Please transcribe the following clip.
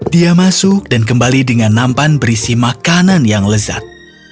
dia masuk dan kembali dengan nampan berisi makanan yang lezat